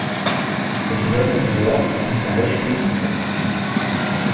Es wurden Awards in drei Stufen verliehen.